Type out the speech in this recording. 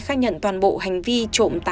khắc nhận toàn bộ hành vi trộm tám